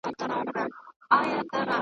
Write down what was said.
نه ظالم به له مظلوم څخه بېلېږي .